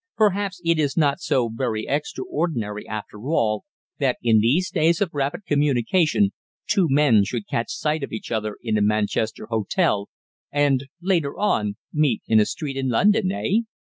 Perhaps it is not so very extraordinary, after all, that in these days of rapid communication two men should catch sight of each other in a Manchester hotel, and, later on, meet in a street in London eh?"